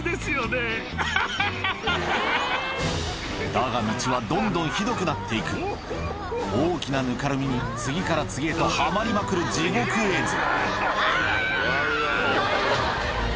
だが道はどんどんひどくなっていく大きなぬかるみに次から次へとはまりまくる地獄絵図